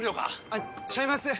あっちゃいます